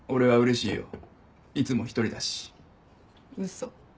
嘘。